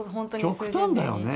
極端だよね。